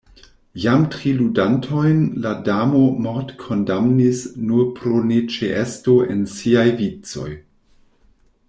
Jam tri ludantojn la Damo mortkondamnis nur pro neĉeesto en siaj vicoj.